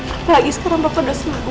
apalagi sekarang papa udah selalu